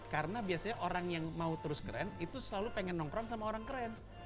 karena biasanya orang yang mau terus keren itu selalu pengen nongkrong sama orang keren